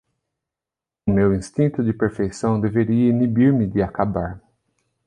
O meu instinto de perfeição deveria inibir-me de acabar